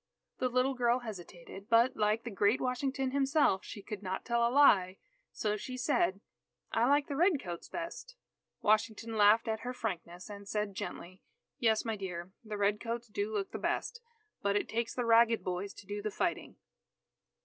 The little girl hesitated, but like the great Washington himself, she could not tell a lie, so she said: "I like the Red Coats best." Washington laughed at her frankness, and said gently: "Yes, my dear, the Red Coats do look the best, but it takes the ragged boys to do the fighting."